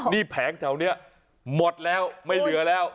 นี่แผงแถวนี้หมดแล้วไม่เหลือแล้ว